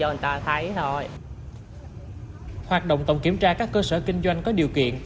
hoạt động tổng kiểm tra các cơ sở kinh doanh có điều kiện